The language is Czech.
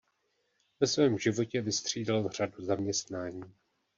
Ve svém životě vystřídal řadu zaměstnání.